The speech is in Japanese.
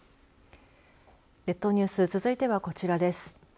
列島ニュース続いては、こちらです。